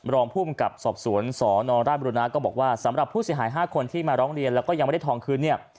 รองภูมิกับสอบสวนสนราชบุรุณาก็บอกว่าสำหรับผู้เสียหาย๕คนที่มาร้องเรียนแล้วก็ยังไม่ได้ทองคืนเนี่ย